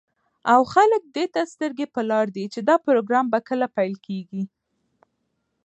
او خلك دېته سترگې په لار دي، چې دا پروگرام به كله پيل كېږي.